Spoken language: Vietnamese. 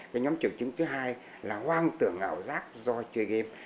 cái nhóm triệu chứng thứ hai là hoang tưởng ảo giác do chơi game